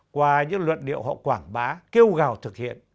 qua những luận điệu họ quảng bá kêu gào thực hiện